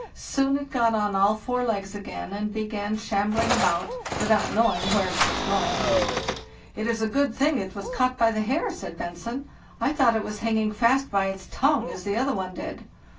Soon it got on all four legs again, and began shambling about, without knowing where it was going. "<Tt is a good thing it was caught by the hair,' said Bentzen, 'I thought it was hanging fast by its tongue, as the other one did.